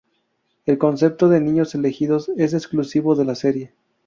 El concepto de Niños Elegidos es exclusivo de la serie.